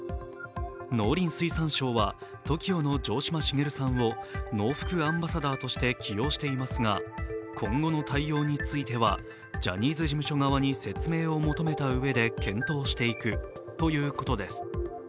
農林水産省はＴＯＫＩＯの城島茂さんをノウフクアンバサダーとして起用していますが今後の対応についてはジャニーズ事務所側に説明を求めたうえで検討していくということです